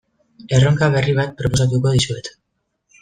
Erronka berri bat proposatuko dizuet.